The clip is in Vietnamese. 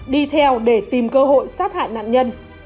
đi theo để tìm cơ hội sát hại nạn nhân